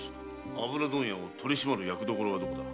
油問屋を取り締まる役所はどこだ？